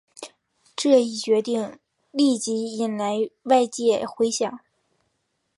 这一决定立即引来外界回响。